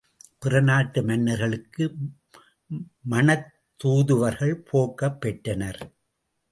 பிறநாட்டு மன்னர்களுக்கு மணத் தூதுவர்கள் போக்கப் பெற்றனர்.